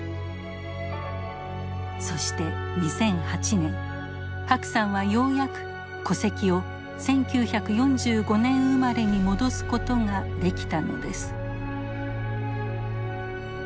そして２００８年白さんはようやく戸籍を１９４５年生まれに戻すことができたのです。